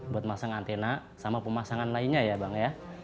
buat masang antena sama pemasangan lainnya ya bang ya